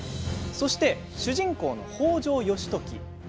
そして主人公の北条義時